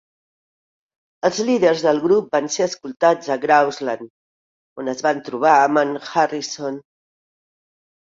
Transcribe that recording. Els líders del grup van ser escoltats a Grouseland, on es van trobar amb en Harrison.